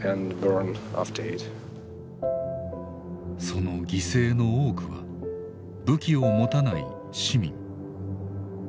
その犠牲の多くは武器を持たない市民。